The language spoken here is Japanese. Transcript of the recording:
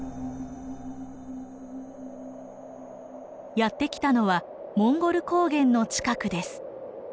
やって来たのはモンゴル高原の近くです。